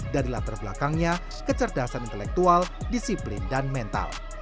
dari latar belakangnya kecerdasan intelektual disiplin dan mental